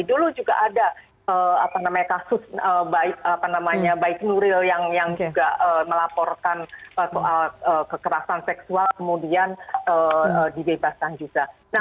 dulu juga ada kasus baik nuril yang melaporkan kekerasan seksual kemudian dibebasan juga